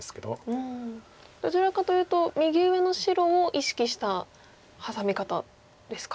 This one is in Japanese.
どちらかというと右上の白を意識したハサミ方ですか。